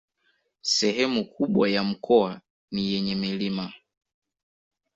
Sehemu kubwa ya mkoa ni yenye milima